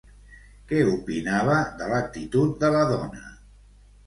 Què opinava de l'actitud de la dona?